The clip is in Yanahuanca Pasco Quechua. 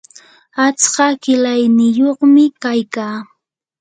atska qilayniyuqmi kaykaa